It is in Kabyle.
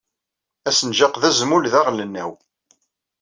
Asenjaq d azmul d aɣelnaw.